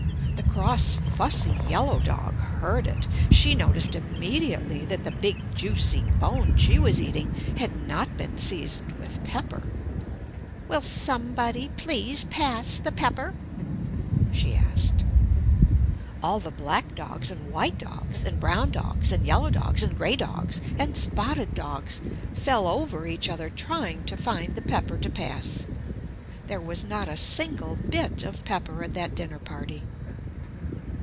The cross fussy yellow dog heard it. She noticed immediately that the big juicy bone she was eating had not been seasoned with pepper. "Will somebody please pass the pepper?" she asked. [Illustration: "Will somebody please pass the pepper?"] All the black dogs and white dogs and brown dogs and yellow dogs and gray dogs and spotted dogs fell over each other trying to find the pepper to pass. There was not a single bit of pepper at that dinner party.